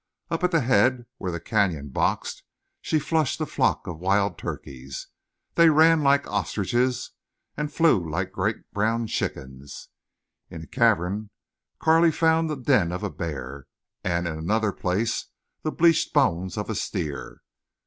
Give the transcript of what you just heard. Up at the head where the canyon boxed she flushed a flock of wild turkeys. They ran like ostriches and flew like great brown chickens. In a cavern Carley found the den of a bear, and in another place the bleached bones of a steer.